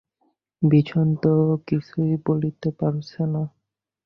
বিষন তো কিছুই বলিতে পারে না।